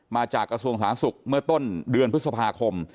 มาจากกระทรวงศาสตร์ศุกร์เมื่อต้นเดือนพฤษภาคม